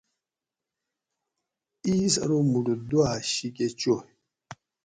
اِیس ارو مُٹو دُواۤ شی کہ چوئ